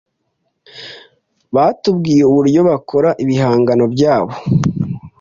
batubwiye uburyo bakora ibihangano byabo